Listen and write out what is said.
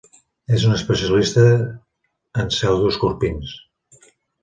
És un especialista en pseudoescorpins.